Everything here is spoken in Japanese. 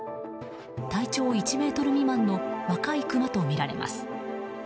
体長１ｍ未満の若いクマとみられます。